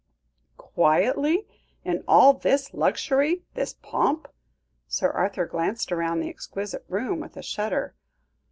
"Quietly? In all this luxury, this pomp?" Sir Arthur glanced round the exquisite room with a shudder.